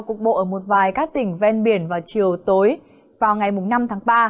cục bộ ở một vài các tỉnh ven biển vào chiều tối và ngày năm tháng ba